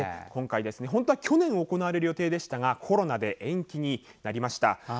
本当は去年行われる予定でしたがコロナで延期になりました。